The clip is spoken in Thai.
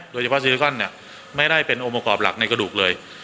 โดยเฉพาะซีลิซอนเนี่ยไม่ได้เป็นองค์ประกอบหลักในกระดูกเลย